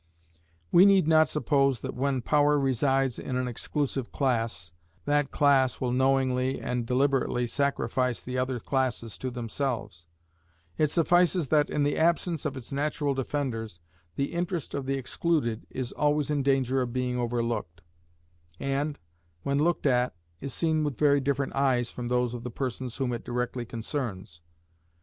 We need not suppose that when power resides in an exclusive class, that class will knowingly and deliberately sacrifice the other classes to themselves: it suffices that, in the absence of its natural defenders, the interest of the excluded is always in danger of being overlooked; and, when looked at, is seen with very different eyes from those of the persons whom it directly concerns.